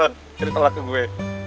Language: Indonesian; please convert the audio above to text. cerita lah ke gue